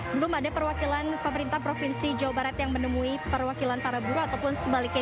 belum ada perwakilan pemerintah provinsi jawa barat yang menemui perwakilan para buruh ataupun sebaliknya